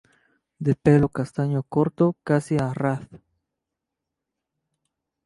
De pelo castaño corto casi a raz.